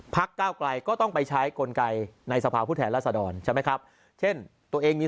ก้าวไกลก็ต้องไปใช้กลไกในสภาพผู้แทนรัศดรใช่ไหมครับเช่นตัวเองมี